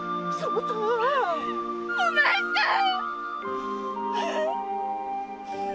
お前さん！